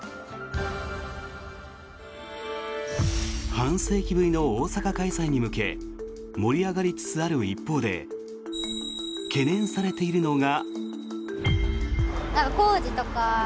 半世紀ぶりの大阪開催に向け盛り上がりつつある一方で懸念されているのが。